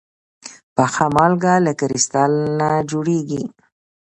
پخه مالګه له کريستال نه جوړېږي.